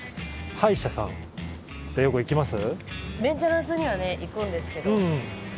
歯医者さんってよく行きます？